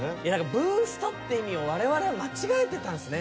ブーストって意味をわれわれは間違えてたんすね。